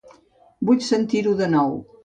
Vull sentir-ho de nou.